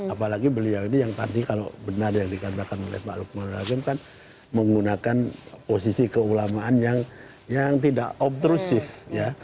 apalagi beliau ini yang tadi kalau benar yang dikatakan oleh pak lukman hakim kan menggunakan posisi keulamaan yang tidak obtrusif ya